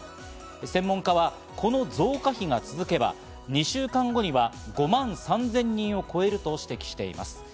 専門家はこの増加比が続けば２週間後には５万３０００人を超えると指摘しています。